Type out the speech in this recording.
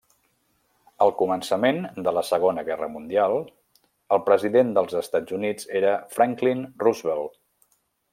Al començament de la Segona Guerra Mundial, el president dels Estats Units era Franklin Roosevelt.